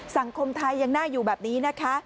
สังคมไทยยังน่าอยู่แบบนี้นะคะ